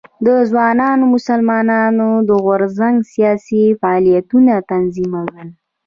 د ځوانو مسلمانانو د غورځنګ سیاسي فعالیتونه تنظیمول.